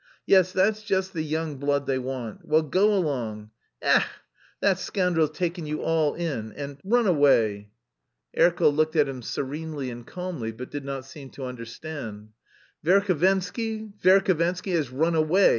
Yes, that's just the young blood they want! Well, go along. E ech! that scoundrel's taken you all in and run away." Erkel looked at him serenely and calmly but did not seem to understand. "Verhovensky, Verhovensky has run away!"